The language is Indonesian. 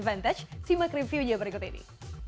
vantage simak reviewnya berikut ini